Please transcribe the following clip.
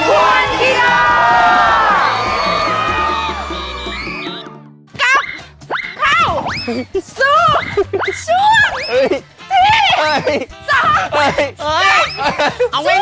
อีกอีกอีกวันนี้เรา